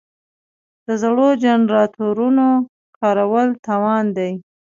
د زړو جنراتورونو کارول تاوان دی.